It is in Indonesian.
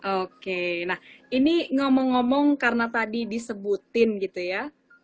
oke nah ini ngomong ngomong karena tadi disebutin gitu ya